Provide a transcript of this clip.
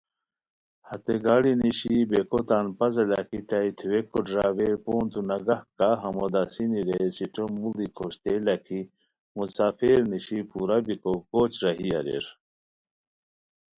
ہتے گاڑی نیشی بیکھو تان پازا لکھیتائے ،ہے تھوویکو ڈرائیور پونتو نگہ کا ہمو داسینی رے سیٹو موڑی کھوشتئے لکھی، مسافر نیشی پورا بیکو کوچ راہی اریر